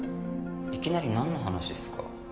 いきなりなんの話っすか？